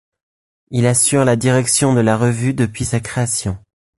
Il assure la direction de la revue depuis sa création.